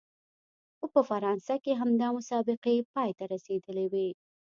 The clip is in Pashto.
خو په فرانسه کې همدا مسابقې پای ته رسېدلې وې.